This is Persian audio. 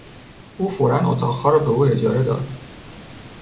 او فورا اتاقها را به او اجاره داد.